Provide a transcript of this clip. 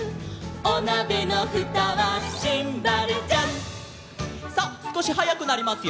「おなべのふたはシンバルジャン」さあすこしはやくなりますよ。